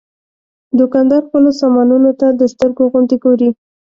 دوکاندار خپلو سامانونو ته د سترګو غوندې ګوري.